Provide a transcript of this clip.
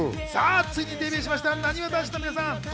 ついにデビューしました、なにわ男子の皆さん。